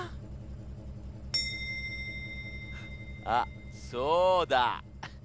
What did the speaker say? あっそうだ。